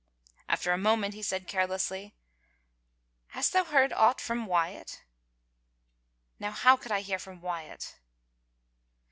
After a moment he said carelessly, "Hast thou heard aught from Wyatt?" "Now how could I hear from Wyatt?"